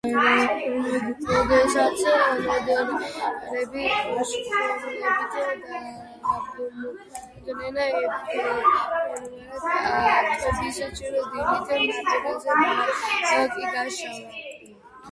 როდესაც ნოლდორები შუახმელეთში დაბრუნდნენ, ფეანორმა ამ ტბის ჩრდილოეთ ნაპირზე ბანაკი გაშალა.